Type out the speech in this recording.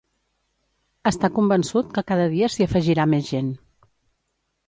Està convençut que cada dia s’hi afegirà més gent.